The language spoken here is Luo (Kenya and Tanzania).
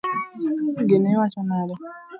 Gino iwacho nade?